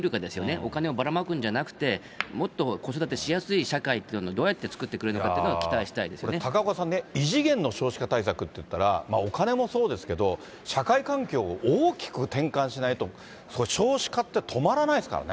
お金をばらまくんじゃなくて、もっと子育てしやすい社会っていうのをどうやって作ってくれるのこれ、高岡さんね、異次元の少子化対策っていったら、お金もそうですけど、社会環境を大きく転換しないと、少子化って止まらないですからね。